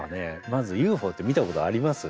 まずＵＦＯって見たことあります？